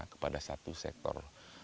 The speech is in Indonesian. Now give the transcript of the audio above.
kepada satu sektor